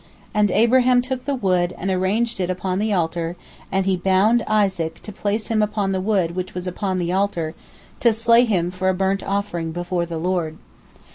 And Abraham took the wood and arranged it upon the altar, and he bound Isaac, to place him upon the wood which was upon the altar, to slay him for a burnt offering before the Lord.